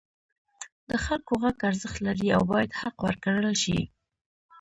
د خلکو غږ ارزښت لري او باید حق ورکړل شي.